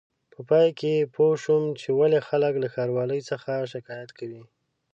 په پای کې پوه شوم چې ولې خلک له ښاروالۍ څخه شکایت کوي.